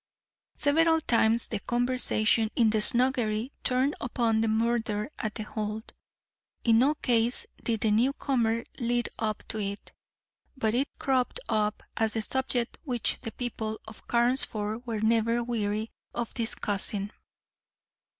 Several times the conversation in the snuggery turned upon the murder at The Hold. In no case did the new comer lead up to it, but it cropped up as the subject which the people of Carnesford were never weary of discussing.